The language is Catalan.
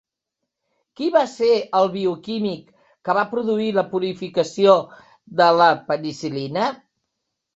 Qui va ser el bioquímic que va produir la purificació de la penicil·lina?